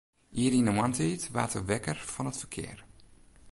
Ier yn 'e moarntiid waard er wekker fan it ferkear.